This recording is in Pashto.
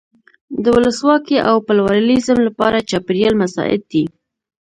د ولسواکۍ او پلورالېزم لپاره چاپېریال مساعد دی.